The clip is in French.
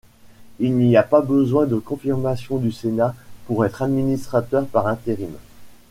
Il n'y a pas besoin de confirmation du Sénat pour être administrateur par intérim.